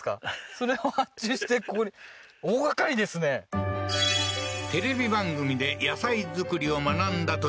それを発注してここに大がかりですねテレビ番組で野菜作りを学んだという弘さん